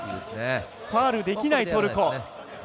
ファウルできないトルコ。